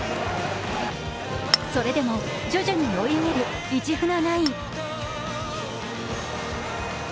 それでも徐々に追い上げるイチフナナイン。